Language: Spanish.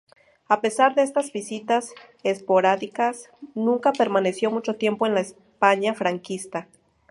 A pesar de estas visitas esporádicas nunca permaneció mucho tiempo en la España franquista.